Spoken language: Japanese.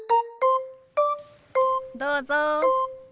どうぞ。